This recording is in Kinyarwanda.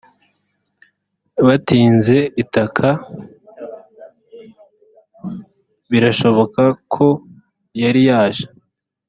batinze itaka birashoboka ko yari yaje